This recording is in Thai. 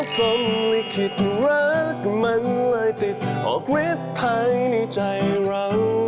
ก้าวเหรอก้าวเบื้องก้าว